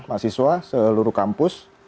mahasiswa seluruh kampus